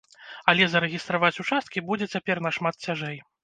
Але зарэгістраваць участкі будзе цяпер нашмат цяжэй.